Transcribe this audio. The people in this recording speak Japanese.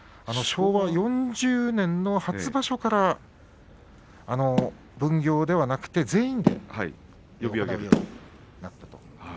昭和４０年の初場所から分業ではなくて全員で取り組むことになったと。